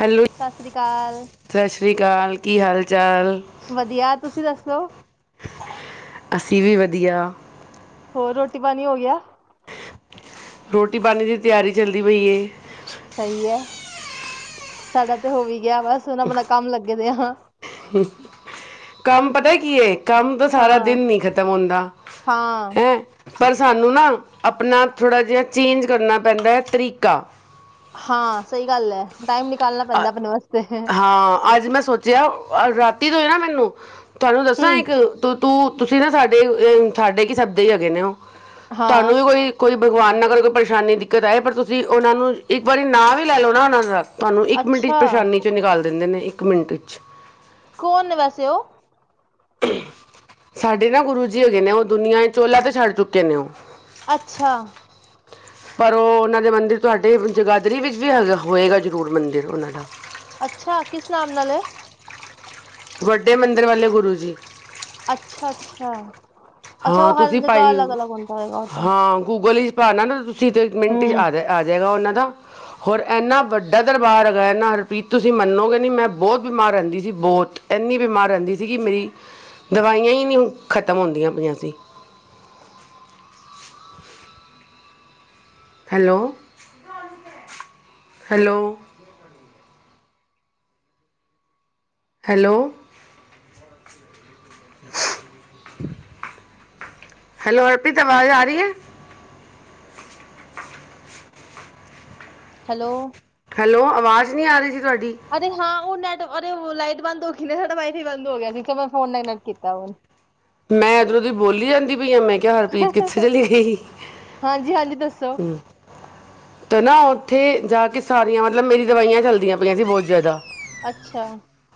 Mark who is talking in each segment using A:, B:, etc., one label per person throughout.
A: Hello
B: ਸਤਿ ਸ੍ਰੀ ਅਕਾਲ
A: ਸਤਿ ਸ਼੍ਰੀ ਅਕਾਲ ਕੀ ਹਾਲ ਚਾਲ
B: ਵਧੀਆ ਤੁਸੀਂ ਦੱਸੋ?
A: ਅਸੀਂ ਵੀ ਵਧੀਆ,
B: ਹੋਰ ਰੋਟੀ ਪਾਣੀ ਹੋ ਗਿਆ?
A: ਰੋਟੀ ਪਾਣੀ ਦੀ ਤਿਆਰੀ ਚੱਲਦੀ ਪਈ ਐ।
B: ਸਹੀ ਏ, ਸਾਡਾ ਤੇ ਹੋ ਵੀ ਗਿਆ ਬਸ ਹੁਣ ਆਪਣਾ ਕੰਮ ਲੱਗੇ ਦੇ ਹੁਣ,
A: ਕੰਮ ਪਤਾ ਕੀ ਏ। ਕੰਮ ਤਾਂ ਸਾਰਾ
B: ਹਾਂ
A: ਦਿਨ ਨੀ ਖਤਮ ਹੁੰਦਾ
B: ਹਾਂ
A: ਹੈ। ਪਰ ਸਾਨੂੰ ਨਾ ਆਪਣਾ ਥੋੜ੍ਹਾ ਜਿਹਾ ਚੇਂਜ ਕਰਨਾ ਪੈਂਦਾ ਹੈ ਤਰੀਕਾ।
B: ਹਾਂ ਸਹੀ ਗੱਲ ਏ ਟਾਈਮ ਨਿਕਾਲਣਾ ਪੈਂਦਾ
A: ਅ-
B: ਆਪਣੇ ਵਾਸਤੇ
A: ਹਾਂ ਅੱਜ ਮੈਂ ਸੋਚਿਆ ਰਾਤੀ ਤੋਂਏ ਨਾ ਮੈਨੂੰ ਤੁਹਾਨੂੰ ਦੱਸਾਂ
B: ਹਮ
A: ਇੱਕ ਤੂੰ-ਤੂੰ ਤੁਸੀਂ ਨਾ ਸਾਡੇ ਸਾਡੇ ਕੀ ਸੱਦੇ ਹੀ ਹੈਗੇ ਨੇ ਹੋ
B: ਹਾਂ
A: ਤੁਹਾਨੂੰ ਵੀ ਕੋਈ ਕੋਈ ਭਗਵਾਨ ਨਾਗਰ ਕੋਈ ਪਰੇਸ਼ਾਨੀ ਦਿੱਕਤ ਆਏ ਪਰ ਤੁਸੀਂ ਉਹਨਾਂ ਨੂੰ ਇੱਕ ਵਾਰੀ ਨਾਂ ਵੀ ਲੈ ਲਓ ਨਾ ਉਹਨਾਂ ਦਾ ਤੁਹਾਨੂੰ ਇੱਕ ਮਿੰਟ 'ਚ
B: ਅੱਛਾ
A: ਪਰੇਸ਼ਾਨੀ 'ਚੋਂ ਨਿਕਾਲ ਦਿੰਦੇ ਨੇ ਇੱਕ ਮਿੰਟ 'ਚ
B: ਕੌਣ ਨੇ ਵੈਸੇ ਔ?
A: ਸਾਡੇ ਨਾ ਗੁਰੂ ਜੀ ਹੈਗੇ ਨੇ ਉਹ ਦੁਨੀਆਂ ਚੋਲਾ ਤੇ ਛੱਡ ਚੁੱਕੇ ਨੇ ਉਹ
B: ਅੱਛਾ,
A: ਪਰ ਉਹ ਉਹਨਾਂ ਦੇ ਮੰਦਿਰ ਤੁਹਾਡੇ ਜਗਾਦਰੀ ਵਿੱਚ ਵੀ ਹੈਗਾ ਹੋਏਗਾ ਜ਼ਰੂਰ ਮੰਦਿਰ ਉਹਨਾਂ ਦਾ
B: ਅੱਛਾ ਕਿਸ ਨਾਮ ਨਾਲ ਏ?
A: ਵੱਡੇ ਮੰਦਰ ਵਾਲੇ ਗੁਰੂ ਜੀ।
B: ਅੱਛਾ-ਅੱਛਾ,
A: ਹਾਂ ਤੁਸੀਂ ਪਾਈ
B: ਹੋਏਗਾ ਉਹ ਤਾਂ
A: ਹਾਂ ਗੂਗਲ ਹੀ ਭਾਨਾ ਨਾ ਤੁਸੀਂ ਅਤੇ ਇੱਕ ਮਿੰਟ 'ਚ
B: ਹਮ
A: ਆ ਜਾ ਆਜੇਗਾ ਉਹਨਾਂ ਦਾ ਹੋਰ ਇੰਨਾ ਵੱਡਾ ਦਰਬਾਰ ਹੈਗਾ ਐ ਨਾ ਹਰਪ੍ਰੀਤ ਤੁਸੀਂ ਮੰਨੋਗੇ ਨਹੀਂ ਮੈਂ ਬਹੁਤ ਬਿਮਾਰ ਰਹਿੰਦੀ ਸੀ ਬਹੁਤ ਇੰਨੀ ਬਿਮਾਰ ਰਹਿੰਦੀ ਸੀ ਕਿ ਮੇਰੀ, ਦਵਾਈਆਂ ਹੀ ਨੀ ਖਤਮ ਹੁੰਦੀਆਂ ਪਈਆਂ ਸੀ। ਹੈਲੋ-ਹੈਲੋ, ਹੈਲੋ ਹੈਲੋ ਹਰਪ੍ਰੀਤ ਆਵਾਜ਼ ਆ ਰਹੀ ਏ?
B: ਹੈਲੋ,
A: ਹੈਲੋ ਆਵਾਜ਼ ਨਹੀਂ ਆ ਰਹੀ ਸੀ ਤੁਹਾਡੀ,
B: ਅ ਹਾਂ ਉਹ ਨੈੱਟ ਲਾਈਟ ਬੰਦ ਹੋਗੀ ਸਾਡਾ ਵਾਈਫ ਹੀ ਬੰਦ ਹੋ ਗਿਆ ਸੀ ਮੈਂ ਫੋਨ ਨੈਟ ਕੀਤਾ ਔ,
A: ਮੈਂ ਇਧਰੋਂ ਦੀ ਬੋਲੀ ਜਾਂਦੀ ਪਈ ਆ ਮੈਂ ਕਿਹਾ ਹਰਪ੍ਰੀਤ ਕਿੱਥੇ ਚਲੀ ਗਈ।
B: ਹਾਂਜੀ-ਹਾਂਜੀ ਦੱਸੋ,
A: ਤੇ ਨਾ ਉੱਥੇ ਜਾ ਕੇ ਸਾਰੀਆਂ ਮਤਲਬ ਮੇਰੀ ਦਵਾਈਆਂ ਚੱਲਦੀਆਂ ਪਈਆਂ ਸੀ ਬਹੁਤ ਜ਼ਿਆਦਾ
B: ਅੱਛਾ,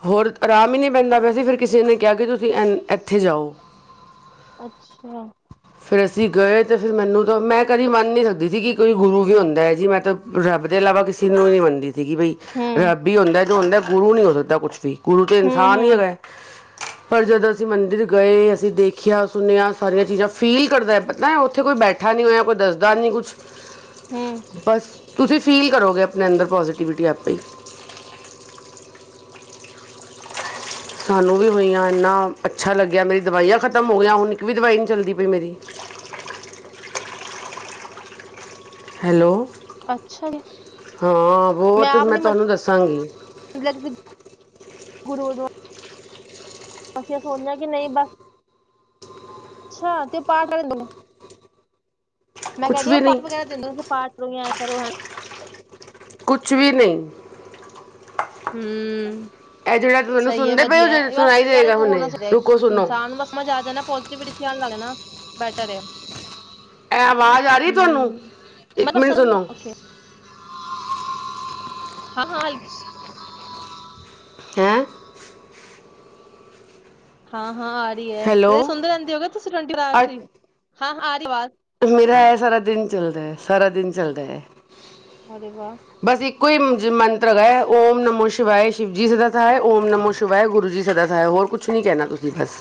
A: ਹੋਰ ਆਰਾਮ ਹੀ ਨਹੀਂ ਪੈਂਦਾ ਪਿਆ ਸੀ ਫਿਰ ਕਿਸੇ ਨੇ ਕਿਹਾ ਕਿ ਤੁਸੀਂ ਐ ਇੱਥੇ ਜਾਓ।
B: ਅੱਛਾ,
A: ਫਿਰ ਅਸੀਂ ਗਏ ਅਤੇ ਫਿਰ ਮੈਨੂੰ ਤਾਂ ਮੈਂ ਕਦੀ ਮੰਨ ਨਹੀਂ ਸਕਦੀ ਸੀ ਕਿ ਕੋਈ ਗੁਰੂ ਵੀ ਹੁੰਦਾ ਹੈ ਜੀ ਮੈਂ ਤਾਂ ਰੱਬ ਦੇ ਇਲਾਵਾ ਕਿਸੇ ਨੂੰ ਨੀ ਮੰਨਦੀ। ਸੀਗੀ ਬਈ
B: ਹੂੰ,
A: ਰੱਬ ਹੀ ਹੁੰਦਾ ਜੋ ਹੁੰਦਾ ਗੁਰੂ ਨੀ ਹੋ ਸਕਦਾ ਕੁਛ ਵੀ ਗੁਰੂ ਤੇ
B: ਹੂੰ,
A: ਇਨਸਾਨ ਹੀ
B: ਹੂੰ,
A: ਹੈਗਾ। ਪਰ ਜਦੋਂ ਅਸੀਂ ਮੰਦਿਰ ਗਏ। ਅਸੀਂ ਦੇਖਿਆ ਸੁਣਿਆ ਸਾਰੀਆਂ ਚੀਜ਼ਾਂ ਫੀਲ ਕਰਦਾ ਹੈ ਪਤਾ ਹੈ ਉੱਥੇ ਕੋਈ ਬੈਠਾ ਨੀ ਹੋਇਆ ਕੋਈ ਦੱਸਦਾ ਨੀ ਕੁਛ
B: ਹੂੰ,
A: ਬਸ ਤੁਸੀਂ ਫੀਲ ਕਰੋਗੇ ਆਪਣੇ ਅੰਦਰ ਪੋਜੀਟੀਵਿਟੀ ਆਪੇ ਹੀ ਸਾਨੂੰ ਵੀ ਹੋਈਆਂ ਇੰਨਾ ਅੱਛਾ ਲੱਗਿਆ ਮੇਰੀ ਦਵਾਈਆਂ ਖ਼ਤਮ ਹੋ ਗਿਆ ਹੁਣ ਇੱਕ ਵੀ ਦਵਾਈ ਨੀ ਚੱਲਦੀ ਪਈ ਮੇਰੀ, ਹੈਲੋ,
B: ਅੱਛਾ ਜੀ
A: ਹਾਂ ਬੋਤ ਤੇ
B: ਆਪ
A: ਮੈਂ
B: ਨੀ
A: ਤੁਹਾਨੂੰ ਦੱਸਾਂਗੀ।
B: [unintelligible] ਅਸੀਂ ਇਹ ਸੋਚਣਾ ਕਿ ਨਹੀਂ ਬਸ ਅੱਛਾ ਤੇ [unintelligible] ਮੈਂ
A: ਕੁਛ
B: ਕਹਿਨੀ ਆ ਉਹ
A: ਵੀ
B: ਪਾਠ
A: ਨਹੀਂ
B: ਵਗੈਰਾ ਦਿੰਦੇ ਪਾਠ ਕਰੋ।
A: ਕੁਛ ਵੀ ਨਹੀਂ
B: ਹਮ
A: ਇਹ ਜਿਹੜਾ ਤੁਹਾਨੂੰ
B: ਸਹੀ ਹੈ
A: ਸੁਣਦੇ ਪਏ ਹੋ
B: ਵਧੀਐ
A: ਜੇ
B: ਇਹ ਬਸ
A: ਸੁਣਾਈ
B: ਯਾਰ
A: ਦੇਗਾ
B: ਹੋਣਾ
A: ਹੁਣੇ
B: ਚਾਹੀਦੈ
A: ਰੁਕੋ ਸੁਣੋ
B: ਇਨਸਾਨ ਨੂੰ ਬਸ ਮਜਾ ਆ ਜੇ ਨਾ ਪੋਜਿਟ ਧਿਆਨ ਲਾ ਲੈ ਨਾ ਬੈਟਰ ਆ
A: ਐ ਆਵਾਜ਼ ਆ ਰਹੀ ਤੁਹਾਨੂੰ ਇੱਕ
B: ਮਤਲਬ
A: ਮਿੰਟ
B: ਸਰ
A: ਸੁਣੋ
B: ਓਕੇ ਹਾਂ ਹਾਂ
A: ਹੈਂ
B: ਹਾਂ ਹਾਂ ਆ ਰਹੀ ਹੈ
A: ਹੈਲੋ
B: ਤੇ ਸੁੁੰਦੇ ਰਹਿੰਦੇ ਹੋ ਤੁਸੀਂ ਟਵੰਾਰ [unintelligible]
A: ਅੱਜ
B: ਸੀ ਹਾਂ ਆ ਰਹੀ ਅਵਾਜ਼
A: ਮੇਰਾ ਐ ਸਾਰਾ ਦਿਨ ਚੱਲਦੈ ਸਾਰਾ ਦਿਨ ਚੱਲਦੈ
B: ਅਰੇ ਵਾ
A: ਬਸ ਇੱਕੋ ਹੀ ਮੰਤਰ ਗਾ ਏ ਓਮ ਨਮੋ ਸ਼ਿਵਾਏ ਸ਼ਿਵਜੀ ਸੇ ਜਾਦਾ ਹੈ ਓਮ ਨਮੋ ਸ਼ਿ ਵਾਹਿ ਗੁਰੂ ਜੀ ਸਦਾ ਸਹਾਏ ਹੋਰ ਕੁਛ ਨੀ ਕਹਿਣਾ ਤੁਸੀਂ ਬਸ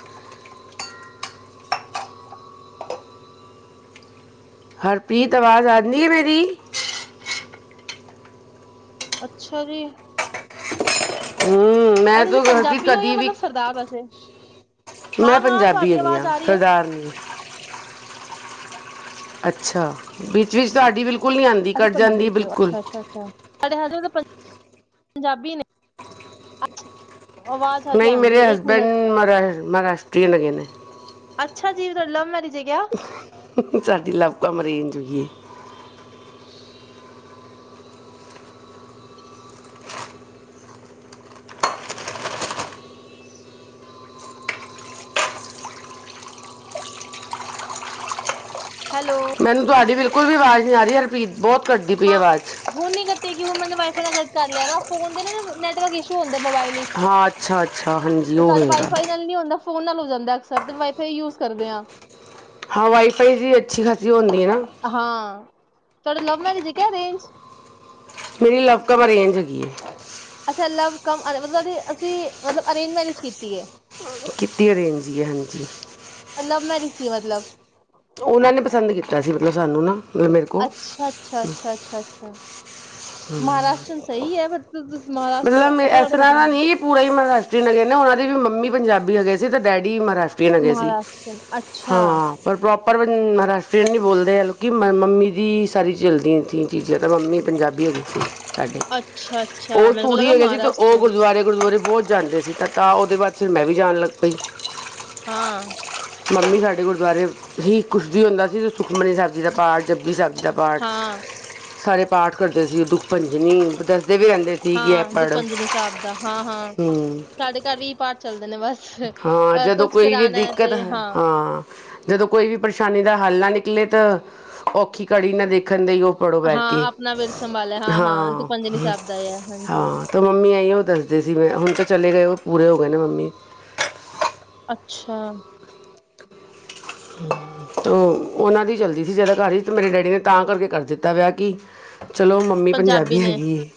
A: ਹਰਪ੍ਰੀਤ ਆਵਾਜ਼ ਆਂਦੀ ਹੈ ਮੇਰੀ
B: ਅੱਛਾ ਜੀ
A: ਹਮ
B: ਅ
A: ਮੈਂ
B: ਤੁਸੀਂ
A: ਤੋਂ ਕਰਦੀ
B: ਪੰਜਾਬੀ ਹੋ ਜਾਂ
A: ਕਦੀ ਵੀ
B: ਮਤਲਬ ਸਰਦਾਰ ਵੈਸੇ ਹਾਂ
A: ਮੈਂ
B: ਹਾਂ
A: ਪੰਜਾਬੀ
B: ਤੁਹਾਡੀ
A: ਹੈਗੀ
B: ਆਵਾਜ਼
A: ਹਾਂ
B: ਆ ਰਹੀ ਹੈ
A: ਸਰਦਾਰਨੀ ਅੱਛਾ ਵਿੱਚ ਵਿਚ ਤੁਹਾਡੀ ਬਿਲਕੁਲ ਨੀ ਆਂਦੀ ਕੱਟ ਜਾਂਦੀ ਬਿਲਕੁਲ
B: ਖਟਾ [unintelligible] [unintelligible] ਪੰਜਾਬੀ ਨੇ ਆਵਾਜ਼ ਹਲਕੀ
A: ਨਹੀਂ
B: ਆਉਂਦੀ
A: ਮੇਰੇ
B: ਹੈ ਇੱਕ
A: ਹਸਬੈਂਡ
B: ਮਿੰਟ
A: ਮਹਾਰਸ਼ ਮਹਾਰਾਸ਼ਟਰੀਅਨ ਹੈਗੇ ਨੇ
B: ਅੱਛਾ ਜੀ ਤੁਹਾਡਾ ਲਵ ਮੈਰਿਜ ਏ ਕਯਾ?
A: ਸਾਡੀ ਲਵ ਕਮ ਅਰੇਂਜ ਹੋਈ ਏ।
B: ਹੈਲੋ
A: ਮੈਨੂੰ ਤੁਹਾਡੀ ਬਿਲਕੁਲ ਵੀ ਆਵਾਜ਼ ਨਹੀਂ ਆ ਰਹੀ ਹਰਪ੍ਰੀਤ ਬਹੁਤ ਕਟਦੀ ਪਈ ਆਵਾਜ਼
B: ਹੁ ਨੀ ਕੱਟੇਗੀ ਹੁਣ ਮੈਂ ਵਾਈਫਾਈ ਨਾਲ ਕਨਕਟ ਕਰ ਲਿਆ ਨਾ ਫੋਨ ਨਾ ਨੈਟਵਰਕ ਇਸ਼ੂ ਹੁੰਦਾ ਮੋਬਾਇਲ ਹੀ
A: ਹਾਂ ਅੱਛਾ ਅੱਛਾ ਹਾਂਜੀ ਉਹ ਹੋਏਗਾ
B: ਵਾਈਫਾਈ ਨਾਲ ਨਹੀਂ ਹੁੰਦਾ ਫੋਨ ਨਾਲ ਹੋ ਜਾਂਦੈ ਅਕਸਰ ਤੇ ਵਾਈਫਾਈ ਯੂਜ ਕਰਦੇ ਹਾਂ
A: ਹਾਂ ਵਾਈਫਾਈ ਦੀ ਅੱਛੀ ਖਾਸੀ ਹੁੰਦੀ ਹੈ ਨਾ
B: ਹਾਂ ਤੁਹਾਡਾ ਲਵ ਮੈਰਿਜ ਹੈ ਕਿਆ ਅਰੇਂਜ
A: ਮੇਰੀ ਲਵ ਕਮ ਅਰੇਂਜ ਹੈਗੀ ਏ
B: ਅੱਛਾ ਲਵ ਕਮ ਮਤਲਬ ਅਸੀਂ ਮਤਲਬ ਅਰੇਂਜ ਮੈਰਿਜ ਕੀਤੀ ਏ।
A: ਕੀਤੀ ਅਰੇਂਜ ਈ ਐ ਹਾਂਜੀ
B: ਲਵ ਮੈਰਿਜ ਸੀ ਮਤਲਬ
A: ਓਹਨਾਂ ਨੇ ਪਸੰਦ ਕੀਤਾ ਸੀ ਮਤਲਬ ਸਾਨੂੰ ਨਾ। ਮਤਲਬ ਮੇਰੇ ਕੋ
B: ਅੱਛਾ-ਅੱਛਾ-ਅੱਛਾ-ਅੱਛਾ-ਅੱਛਾ ਮਹਾਰਾਸ਼ਟਰਨ ਸਹੀ ਹੈ, ਫੇਰ ਤੇ ਤੁਸੀਂ ਮਹਾਰਾਸ਼ਟਰ ਵਾ, ਅੱਛਾ ਤੁਹਾਡੇ ਹਸਬੈਂਡ
A: ਪੂਰੇ ਹੀ ਮਹਾਰਰਾਸ਼ਟਰੀਅਨ ਹੈਗੇ ਨੇ ਉਹਨਾਂ ਦੀ ਵੀ ਮੰਮੀ ਪੰਜਾਬੀ ਹੈਗੇ ਸੀ ਤੇ ਡੈਡੀ ਮਹਾਰਾਸ਼ਟ ਟੀਅਨ ਹੈਗੇ ਸੀ। ਹਾਂ, ਪਰ [unintelligible] ਪਰ ਪੰ ਮਹਾਰਾਸ਼ਟਰੀਅਨ ਨਹੀਂ ਬੋਲਦੇ ਹਲਕੀ ਮੰਮੀ ਦੀ ਸਾਰੀ ਚੱਲਦੀ [unintelligible] ਜਦੋਂ ਮੰਮੀ ਪੰਜਾਬੀ ਹੈਗੀ ਸੀ। ਸਾਡੇ।
B: ਅੱਛਾ-ਅੱਛਾ
A: ਉਹ
B: ਮੈਨੂੰ
A: ਸੂਰੀ
B: ਲੱਗਾ
A: ਹੈਗੇ ਸੀ ਅਤੇ ਉਹ
B: ਮਹਾਰਾਸ਼ਟਰਨ
A: ਗੁਰਦੁਆਰੇ ਗੁਰਦਉਰੇ ਬਹੁਤ ਜਾਂਦੇ ਸੀ। ਤਾਂ ਉਹਦੇ ਬਾਅਦ ਚ ਮੈਂ ਵੀ ਜਾਣ ਲੱਗ ਪਈ।
B: ਹਾਂ।
A: ਮੰਮੀ ਸਾਡੇ ਗੁਰਦੁਆਰੇ ਹੀ ਕੁਛ ਵੀ ਹੁੰਦਾ ਸੀ, ਸੁਖਮਨੀ ਸਾਹਿਬ ਜ਼ੀ ਦਾ ਪਾਠ, ਜਪਜੀ ਸਾਹਿਬ ਦਾ ਪਾਠ,
B: ਹਾਂ,
A: ਸਾਰੇ ਪਾਠ ਕਰਦੇ ਸੀ ਉਹ ਦੁੱਖ ਭੰਜਨੀ, ਦੱਸਦੇ ਵੀ ਰਹਿੰਦੇ ਸੀ। ਕਿ ਇਹ
B: ਹਾਂ, ਦੁਖ
A: ਪੜ
B: ਭੰਜਨੀ ਸਾਬ ਦਾ। ਹਾਂ-ਹਾਂ,
A: ਹੂੰ
B: ਸਾਡੇ ਘਰ ਵੀ ਇਹੀ ਪਾਠ ਚੱਲਦੇ ਨੇ ਬਸ।
A: ਹਾਂ,
B: ਅ
A: ਜਦੋਂ
B: ਕੁਛ
A: ਕੋਈ ਵੀ
B: ਕਰਾਣਾ ਹੈ
A: ਦਿੱਕਤ,
B: ਤੇ
A: ਹਾਂ। ਜਦੋਂ ਕੋਈ ਵੀ ਪਰੇਸ਼ਾਨੀ ਦਾ ਹੱਲ ਨਾ ਨਿਕਲੇ ਤ, ਔਖੀ ਘੜੀ ਨਾ ਦੇਖਣ ਦੇਈ ਉਹ ਪੜੋ ਬੈ
B: ਹਾਂ
A: ਕੇ,
B: ਆਪਣਾ ਵਿਰਤ ਸੰਭਾਲਿਆ ਹਾਂ-ਹਾਂ
A: ਹਾਂ,
B: ਦੁਖਭੰਜਨੀ ਸਾਹਿਬ ਦਾ ਹੈ ਹਾਂਜੀ
A: ਹਾਂ। ਤ ਮੰਮੀ ਏਈਯੋ ਦੱਸਦੇ ਸੀ ਮੈਂ ਹੁਣ ਤਾਂ ਚਲੇ ਗਏ ਉਹ ਪੂਰੇ ਹੋ ਗਏ ਨੇ ਮੰਮੀ।
B: ਅੱਛਾ
A: ਤੋ, ਉਹਨਾਂ ਦੀ ਚੱਲਦੀ ਸੀ ਜਾਦਾ ਘਰ ਚ, ਤੇ ਮੇਰੇ ਡੈਡੀ ਨੇ ਤਾਂ ਕਰਕੇ ਕਰ ਦਿੱਤਾ ਵਿਆਹ ਕੀ ਚਲੋ ਮੰਮੀ ਪੰਜਾਬੀ ਹੈਗੀ ਏ,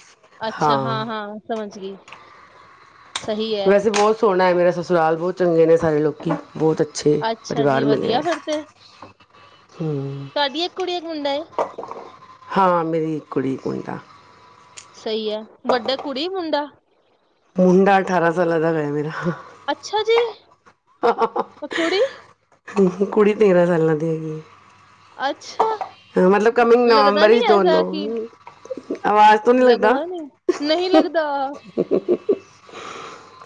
B: ਅੱਛਾ
A: ਹਾਂ।
B: ਹਾਂ-ਹਾਂ ਸਮਝ ਗੀ।
A: ਵੈਸੇ ਬਹੁਤ ਸੋਹਣਾ ਮੇਰਾ ਸਸੁਰਾਲ, ਬਹੁਤ ਚੰਗੇ ਨੇ ਸਾਰੇ ਲੋਕੀ, ਬਹੁਤ ਅੱਛੇ ਅੱਛੇ
B: ਅੱਛਾ ਜੀ
A: ਪਰਿਵਾਰ ਮਿਲੇ ਆ।
B: ਵਧੀਆ
A: ਹੂੰ
B: ਤੁਹਾੜੀ ਏਕ ਕੁੜੀ ਏਕ ਮੁੰਡਾ ਏ?
A: ਹਾਂ, ਮੇਰੀ ਇੱਕ ਕੁੜੀ ਇਕ ਮੁੰਡਾ।
B: ਸਹੀ ਹੈ, ਵੱਡਾ ਕੁੜੀ ਏ ਮੁੰਡਾ?
A: ਮੁੰਡਾ ਅਠਾਰਾਂ ਸਾਲਾਂ ਦਾ ਏ ਮੇਰਾ।
B: ਅੱਛਾ ਜੀ, ਓ ਕੁੜੀ?
A: ਹੂੰ ਹੂੰ, ਕੁੜੀ ਤੇਰਾਂ ਸਾਲਾਂ ਦੀ ਹੈਗੀ ਏ।
B: ਅੱਛਾ
A: ਹ, ਮਤਲਬ ਕਮਿੰਗ
B: ਲੱਗਦਾ
A: ਨਵੰਬਰ
B: ਨੀ
A: ਈ
B: ਐਸਾ
A: ਦੋਨੋ।
B: ਕਿ
A: ਆਵਾਜ਼ ਤੋਂ ਨੀ ਲੱਗਦਾ?
B: ਨਹੀਂ ਲੱਗਦਾ।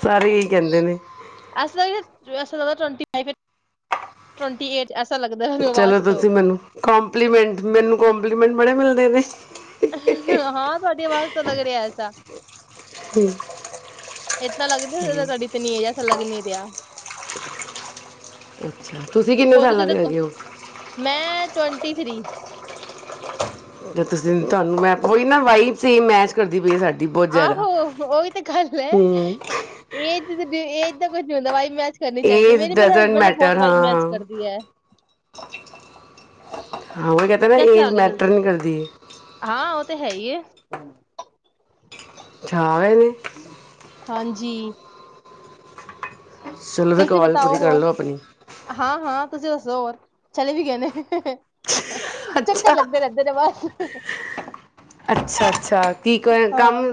A: ਸਾਰੇ ਇਹੀ ਕਹਿੰਦੇ ਨੇ।
B: ਐਸਾ ਲਗਾ, ਐਸਾ ਲਗਾ ਟਵੰਟੀ ਫਾਈਵ ਯਾ ਟਵੰਟੀ ਏਟ। ਐਸਾ ਲੱਗਦਾ ਐ
A: ਚਲੋ ਤੁਸੀਂ ਮੈਨੂੰ ਕੋਂਪਲੀਮੈਂਟ ਮੇਨੂੰ ਕੋਂਪਲੀਮੈਂਟ ਬੜੇ ਮਿਲਦੇ ਨੇ
B: ਅਹੰ ਹਾਂ ਤੁਹਾਡੀ ਆਵਾਜ਼ ਤੋਂ ਲੱਗ ਰਿਹਾ ਐਸਾ ਐਸਾ ਲੱਗਦਾ ਤੁਹਾਡੀ ਤੇ ਇਤਨੀ ਏਜ ਐ ਐਸਾ ਲੱਗ ਨਹੀਂ ਰਿਹਾ
A: ਅੱਛਾ ਤੁਸੀਂ ਕਿੰਨੇ
B: ਹੋ
A: ਸਾਲਾਂ
B: ਸਕੇ
A: ਦੇ
B: ਤਾਂ
A: ਹੈਗੇ ਔ
B: ਮੈਂ ਟਵਂਟੀ ਥ੍ਰੀ
A: ਜੇ ਤੁਸੀਂ, ਤੁਹਾਨੂੰ ਮੈਂ, ਓਈ ਨਾ ਵਾਈਬਸ ਈ ਮੈਚ ਕਰਦੀ ਪਈ ਏ ਸਾਡੀ ਬਹੁਤ ਜ਼ਿਆਦਾ,
B: ਆਹੋ ਉਹੀ ਤੇ ਗੱਲ ਹੈ
A: ਹੂੰ।
B: ਏਜ ਦ ਏਜ ਦਾ ਕੁਝ ਨੀ ਹੁੰਦਾ, ਵਾਈਬ ਮੈਚ ਕਰਨੀ ਚਾਹੀਦੀ ਏ।
A: ਏਜ
B: ਮੇਰੀ ਮੇਰੇ
A: ਡਜ਼ਨਟ
B: ਹਸਬੈਂਡ ਨਾਲ ਬਹੁਤ
A: ਮੈਟਰ ਹਾਂ
B: ਵਾਈਬ ਮੈਚ
A: ਹਾਂ
B: ਕਰਦੀ ਐ।
A: ਹਾਂ [unintelligible]
B: ਕੈਸੇ ਆ ਗਏ
A: ਮੈਟਰ
B: ਜਲਦੀ?
A: ਨਹੀਂ ਕਰਦੀ
B: ਹਾਂ ਉਹ ਤੇ ਹੈ ਹੀ ਏ।
A: [unintelligible] ਨੇ
B: ਹਾਂਜੀ
A: ਚਲੋ ਵੀ,
B: ਤੁਸੀਂ
A: ਕਾਲ ਪੂਰੀ
B: ਬਤਾਓ
A: ਕਰ
B: ਹੋਰ
A: ਲਓ ਆਪਣੀ।
B: ਹਾਂ-ਹਾਂ, ਤੁਸੀਂ ਦੱਸੋ ਹੋਰ। ਚਲੇ ਵੀ ਗਏ ਨੇ, ਚੱਕਰ
A: ਅੱਛਾ
B: ਲੱਗਦੇ ਰੈਂਦੇ। [unintelligible]
A: ਅੱਛਾ-ਅੱਛਾ, ਕੀ ਕ ਕੰਮ,
B: ਹਾਂ।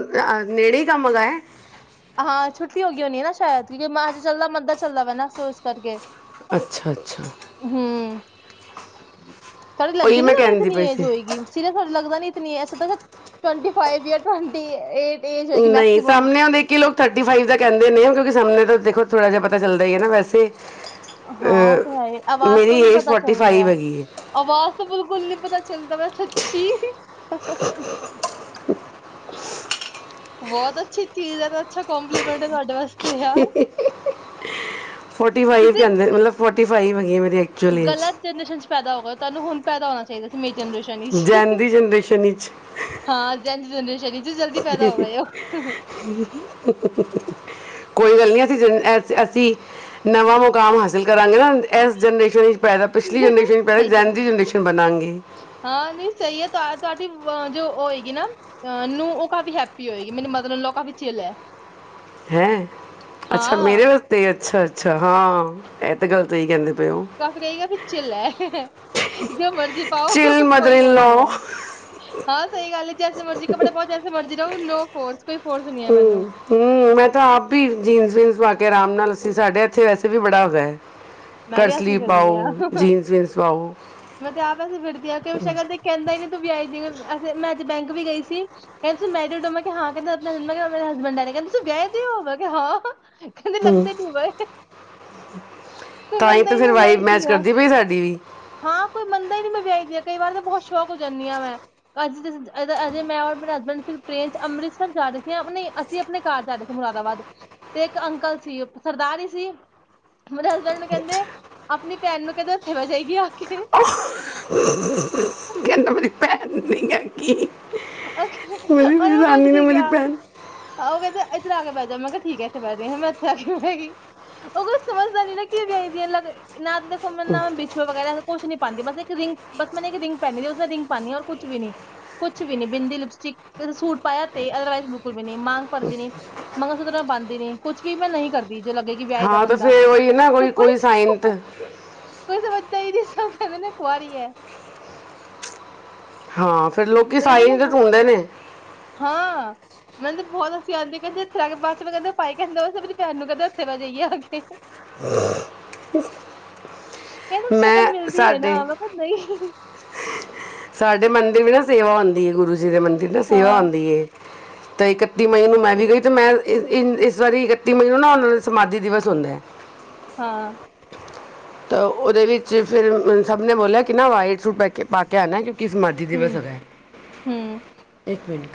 A: ਨੇੜੇ ਈ ਕੰਮ ਹੈਗਾ ਏ?
B: ਹਾਂ, ਛੁੱਟੀ ਹੋ ਗਈ ਹੋਣੀ ਨਾ ਸ਼ਾਇਦ। ਕਿਉਂਕਿ ਮਾਰਚ ਚੱਲਦਾ, ਮੰਦਾ ਚੱਲਦਾ ਪਿਆ ਨਾ, ਸੋ ਇਸ ਕਰਕੇ।
A: ਅੱਛਾ-ਅੱਛਾ।
B: ਹੂੰ ਤੁਹਾਡੀ
A: ਉਹੀ
B: ਲੱਗਦੀ ਨੀ
A: ਮੈਂ
B: ਤੁਹਾਡੀ
A: ਕਹਿੰਦੀ
B: ਇਤਨੀ
A: ਪਈ
B: ਏਜ
A: ਸੀ
B: ਹੋਏਗੀ ਸੀਰੀਅਸ ਤੁਹਾਡੇ ਲੱਗਦਾ ਨੀ ਇਤਨੀ ਐਸਾ ਤਾਂ twenty five year twenty eight age ਹੋਏਗੀ
A: ਨਹੀਂ
B: ਮੈਕਸੀਮਮ
A: ਸਾਹਮਣੇ ਆਉਂ ਦੇ ਕਿ ਲੋਕ ਥਰਟੀ ਫਾਈਵ ਦਾ ਕਹਿੰਦੇ ਨੇ ਕਿਉਂਕਿ ਸਾਹਮਣੇ ਤਾਂ ਦੇਖੋ ਥੋੜ੍ਹਾ ਜਿਹਾ ਪਤਾ ਚੱਲਦਾ ਹੈ ਨਾ ਵੈਸੇ
B: ਹਾਂ ਉਹ ਤਾਂ ਹੈ ਈ
A: ਅਹ
B: ਆਵਾਜ਼ ਤੋਂ
A: ਮੇਰੀ
B: ਨੀ
A: ਏਜ
B: ਪਤਾ
A: ਫੋਰਟੀ
B: ਚੱਲ ਰਿਹਾ
A: ਫਾਈਵ ਹੈਗੀ ਏ
B: ਆਵਾਜ਼ ਤੋਂ ਬਿਲਕੁਲ ਨੀ ਪਤਾ ਚੱਲਦਾ ਪਯਾ ਸੱਚੀ ਬਹੁਤ ਅੱਛੀ ਚੀਜ਼ ਹੈ ਅੱਛਾ ਕੋਂਪਲੀਮੈਂਟ ਤੁਹਾਡੇ ਵਾਸਤੇ ਐ
A: ਫੋਰਟੀ ਫਾਈਵ
B: ਤੁਸੀਂ
A: ਕਹਿੰਦੇ ਮਤਲਬ ਫੋਰਟੀ ਫਾਈਵ ਹੈਗੀ ਏ ਮੇਰੀ ਐਕਚੁਅਲ ਏਜ
B: ਗਲਤ ਜਨਰੇਸ਼ਨ ਚ ਪੈਦਾ ਹੋ ਗਏ ਤੁਹਾਨੂੰ ਹੁਣ ਪੈਦਾ ਹੋਣਾ ਚਾਹੀਦਾ ਸੀ ਮੇਰੀ ਜਨਰੇਸ਼ਨ ਸ਼ਨੀ
A: ਜੈਨ ਦੀ ਜਨਰੇਸ਼ਨ ਵਿੱਚ
B: ਹਾਂ ਜਾਂਹਿੰਦੇ ਦਹਿੰਦੇ ਸ਼ਨੀ [inaudible]
A: [inaudible] ਕੋਈ ਗੱਲ ਨਹੀ ਅਸੀਂ ਜ ਅਂ ਅਸੀਂ ਨਵਾਂ ਮੁਕਾਮ ਹਾਸਿਲ ਕਰਾਂਗੇ ਨਾ ਇਸ ਜਨਰੇਸ਼ਨ ਇਚ ਪੈਦਾ ਪਿਛਲੀ ਜਨਰੇਸ਼ਨ ਪਹਿਲਾਂ
B: ਸਹੀ ਐ,
A: ਜੈਨ ਜ਼ੀ ਜਨਰੇਸ਼ਨ ਬਣਾਗੀ
B: ਹਾਂ, ਨਹੀਂ ਸਹੀ ਹੈ, ਤੁਹਾ ਤੁਹਾਡੀ ਵ ਜੋ ਓਹ ਹੋਏਗੀ ਨਾ ਅੰ--ਨੂੰ ਉਹ ਕਾਫ਼ੀ ਹੈਪੀ ਹੋਏਗੀ, ਮੈਨੂੰ ਮਦਰ ਇਨ ਲ ਕਾਫ਼ੀ ਚਿੱਲ ਐ।
A: ਹੈਂ? ਅੱਛਾ ਮੇਰੇ
B: ਹਾਂ,
A: ਵਾਸਤੇ ਅੱਛਾ ਅੱਛਾ, ਹਾਂ, ਇਹ ਤੇ ਗੱਲ ਸਹੀ ਕਹਿੰਦੇ ਪਏ ਔ।
B: ਸਸੱ ਗਈ ਹੈ, ਫਿਰ ਚਿੱਲ ਐ, ਜੋ ਮਰ ਤੁਸ ਪਾਓ,
A: ਚਿਲ ਮਦਰ
B: ਕੋਈ ਓ
A: ਇਨ ਲਾ
B: ਨੀ ਐ। ਹਾਂ, ਸਈ ਗੱਲ ਏ, ਜੈਸੇ ਮਰਜ਼ੀ ਕੱਪੜੇ ਪਾਓ, ਜੈ ਜਿੱਥੇ ਮਰਜ਼ੀ ਜਾਓ, ਲੋਗ ਫੋਰਸ ਕਰ
A: ਹੂੰ। ਹੂੰ, ਮੈਂ ਤਾਂ ਆਪ ਭੀ ਜੀਨਸ-ਵੀਨਸ ਪਾ ਕੇ, ਆਰਾਮ ਨਾਲ ਅਸੀ ਸਾਡੇ ਇੱਥੇ, ਵੈਸੇ ਵੀ ਬੜਾ ਹੈਗੈ।
B: ਮੈਂ ਵੀ ਐਸੀ ਫਿਰਨੇ ਆਂ,
A: ਵੀਨਸ ਪਾਓ
B: ਮੈਂ ਤੇ ਆਪ ਐਸੀ ਫਿਰਦੀ ਆ ਕਿ ਕਿਓਂਕਿ ਸ਼ਕਲ ਤੇ ਕੈਂਦੇ ਕਿ ਤੂੰ ਵਿਆਈ ਦੀ ਐਂ। ਵੈਸੈ ਮੈਂ ਅੱਜ ਬੈਂਕ ਵੀ ਗਈ ਸੀ। ਕੈਂਦੇ ਸੀ ਮੈਰਿਡ ਹੋ, ਮੈਂ ਕੇਆ ਹਾਂ, ਕੈਂਦੇ [unintelligible] ਮੈਂ ਕੇਆ ਮੇਰੇ ਹਸਬੈਂਡ ਐ ਨ, ਕੈੰਦੇ, ਤੁਸੀਂ ਵਿਆਏ ਦੇ ਓ, ਮੈਂ ਕੇਆ ਹਾਂ। ਕੈਂਦੇ ਲੱਭਦੇ ਨੀ ਪਏ।
A: ਤਾਂਈ ਤੇ
B: ਨੀ
A: ਫੇਰ
B: ਮੈਂ
A: ਵਾਈਬ
B: ਵਿਆਹੀ
A: ਮੈਚ
B: ਦੀ ਆ
A: ਕਰਦੀ ਪਈ ਐ ਸਾਡੀ ਵੀ।
B: ਹਾਂ ਕੋਈ ਮੰਨਦਾ ਈ ਨੀ ਮੈਂ ਵੇਖਦੀ ਆਂ ਕਈ ਵਾਰ ਤੇ ਬਹੋਤ ਸੌਕ ਹੋ ਜਾਂਨੀ ਆਂ ਮੈਂ। ਅਜ ਅਜੇ ਅਜੇ ਮੈਂ, ਔਰ ਮੇਰੇ ਹਸਬੈਂਡ ਸਿਰਫ਼ ਟ੍ਰੇਨ 'ਚ ਅੰਮ੍ਰਿਤਸਰ ਜਾ ਰਹੇੇ ਸੀ ਤੇ ਆਪਣੇ ਘਰ ਜਾ ਰਏ ਸੀ ਮੁਰਾਦਾਬਾਦ, ਤੇ ਇੱਕ ਅੰਕਲ ਸੀ ਸਰਦਾਰ ਈ ਸੀ, ਮੇਰੇ ਹਸਬੈਂਡ ਨੇ ਕੈਂਦੇ, ਆਪਨੀ ਭੈਣ ਨੂੰ ਕੈਂਦੇ, ਏੱਥੇ ਬੈਅ ਜਾਏਗੀ ਆ ਕੇ।
A: ਕੈੰਦਾ ਮੇਰੀ ਭੈਣ ਨਈ ਹੈ। ਬੜੀ
B: ਔਰ
A: ਹਿਰਾਨੀ ਨੇ, ਮੇਰੀ ਭੈਣ
B: ਆਉਗੇ ਤੇ ਐਧਰ ਆ ਕੇ ਬੈ ਜਾਓ, ਮੈਂ ਕਿਹਾ ਠੀਕ ਐ, ਐਥੇ ਬੈਠ ਰਹੀ ਹਾਂ, ਮੈਂ ਇਥੇ ਆ ਕੇ ਬੈਗੀ। ਅਗੋ ਸਮਝਦਾ ਨੀ ਨਾ ਕਿ ਜਾਈਦੀ ਐ ਲਗ ਨਾ ਤੇ ਦੇ [inaudible] ਹਮ ਨਾ ਬਿਛੂਏ ਵਗੈਰਾ ਕੋਛ ਨੀ ਪਾਉਂਦੀ ਬਸ ਇੱਕ ਰਿੰਗ ਬਸ ਮੈਂ ਨਾ ਇੱਕ ਰਿੰਗ ਪੈਂਣੀਦੀ ਏ ਉਸ ਮੈਂ ਰਿੰਗ ਪਾਣੀ ਆਂ ਔਰ ਕੁਛ ਵੀ ਨੀ। ਕੁਛ ਵੀ ਨੀ, ਬਿੰਦੀ ਲਿਪਸਟਿਕ ਸੂਟ ਪਾਇਆ ਤੇ ਅਦਰਵਾਈਜ਼ ਬਿਲਕੁਲ ਵੀ ਨੀ ਮਾਂਗ ਭਰਦੀ ਨੀ, ਮੰਗਲਸ਼ੁਤਰ ਮੈਂ ਪਾਂਦੀ ਨੀ ਕੁਛ ਵੀ ਮੈਂ ਨਈ ਕਰ ਵੀ ਜੋ ਲੱਗੇਗੀ
A: ਹਾਂ, ਤੇ ਫੇਰ ਓਈ ਐ ਨਾ ਕੋਈ -ਕੋਈ ਸਾਇੰਤ
B: ਕੋਈ ਸਮਝਦਾ ਈ ਨੀ, ਸਭ ਕੈਂਦੇ ਨੇ ਕੁਆਰੀ ਐ।
A: ਹਾਂ, ਫੇਰ ਲੋਕੀ ਸਾਈਜ ਤੇ ਟੁੰਡਦੇ ਨੇ।
B: ਹਾਂ। ਮੈਨੂੰ ਤੇ ਬਹੋਤ ਹਾਸੀ ਆਂਦੀ ਪਈ ਏ ਕੈਂਦੇ ਇੱਥੇ ਆ ਕੇ ਬਾਦ ਚ ਫੇਰ ਕੈਂਦੇ ਭਾਈ ਕੈਂਦੇ ਆਪਣੀ ਭੈਣ ਨੂੰ ਕੈਂਦੇ ਏਥੇ ਬੈ ਜੇ ਗੀ ਆਕੇ।
A: [inaudible]
B: ਕੈਂਦੇ ਸ਼ਕਲ
A: ਮੈਂ
B: ਮਿਲਦੀ ਏ ਨਾ,
A: ਸਾਡੇ
B: ਮੈਂ ਕਿਆ ਨਈ।
A: ਸਾਡੇ ਮੰਦਿਰ ਵੀ ਨਾ ਸੇਵਾ ਹੁੰਦੀ ਏ ਗੁਰੂ ਜੀ ਦੇ ਮੰਦਿਰ ਨਾ ਸੇਵਾ
B: ਹਾਂ
A: ਹੁੰਦੀ ਏ। ਤੇ ਇਕੱਤੀ ਮਈ ਨੂੰ ਮੈਂ ਵੀ ਗਈ ਤੇ ਮੈਂ ਇਨ ਇਸ ਵਾਰੀ ਇਕੱਤੀ ਮਈ ਨੂੰ ਨਾ ਓਨਾਂ ਦਾ ਸਮਾਧੀ ਦਿਵਸ ਹੁੰਦੈ।
B: ਹਾਂ।
A: ਤਾਂ ਓਦੇ ਵਿੱਚ ਫਿਰ ਸਭ ਨੇ ਬੋਲਿਆ ਕਿ ਨਾ ਵਾਈਟ ਸੂਟ ਪੈ ਕੇ, ਪਾ ਕੇ ਆਣੈ ਕਿਉ ਕਿ ਸਮਾਧੀ ਦਿਵਸ
B: ਹੂੰ
A: ਹੈਗੈ।
B: ਹੂੰ
A: ਇੱਕ ਮਿੰਟ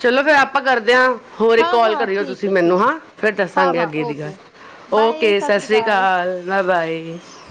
A: ਚਲੋ ਫੇਰ ਆਪਾਂ ਕਰਦੇ ਆਂ, ਹੋਰ ਇੱਕ
B: ਹਾਂ
A: ਕੋਲ
B: ਹਾਂ
A: ਕਰਿਓ
B: ਠੀਕ
A: ਤੁਸੀਂ
B: ਹੈ
A: ਮੈਨੂੰ
B: ਠੀਕ ਹੈ
A: ਹਾਂ, ਫੇਰ
B: ਹਾਂ
A: ਦੱਸਾਂਗੇ
B: ਹਾਂ
A: ਅੱਗੇ ਦੀ ਗੱਲ।
B: ਓਕੇ ਬਾਏ
A: ਓਕੇ,
B: ਸਤਿ
A: ਸਤ
B: ਸ਼੍ਰੀ
A: ਸ੍ਰੀ
B: ਅਕਾਲ
A: ਕਾਲ। Bye - bye.